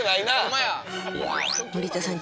森田さん